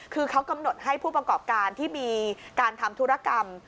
คือเขากำหนดให้ผู้ประกอบการที่มีการทำธุรกรรม